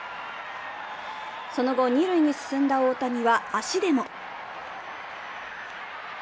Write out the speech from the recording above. その後二塁に進んだ大谷は足でも！